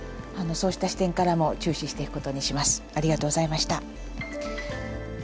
そうした視点からも注視していく事にします。